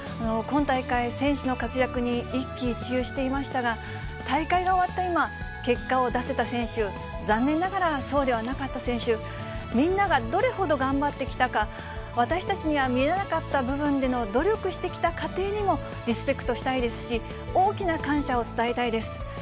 今大会、選手の活躍に一喜一憂していましたが、大会が終わった今、結果を出せた選手、残念ながらそうではなかった選手、みんながどれほど頑張ってきたか、私たちには見えなかった部分での努力してきた過程にも、リスペクトしたいですし、大きな感謝を伝えたいです。